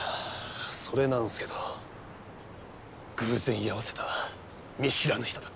それなんですけど偶然居合わせた見知らぬ人だって。